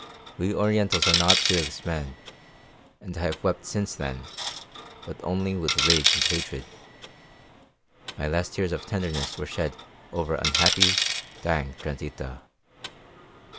We Orientals are not tearless men, and I have wept since then, but only with rage and hatred. My last tears of tenderness were shed over unhappy, dying Transita.